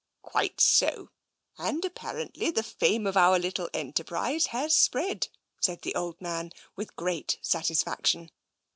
" Quite so. And apparently the fame of our little enterprise has spread," said the old man, with great satisfaction.